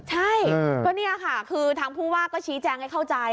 ใช่ก็นี่ค่ะคือทางผู้ว่าก็ชี้แจงให้เข้าใจ